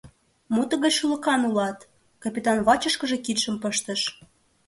— Мо тыгай шӱлыкан улат? — капитан вачышкыже кидшым пыштыш.